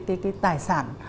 cái tài sản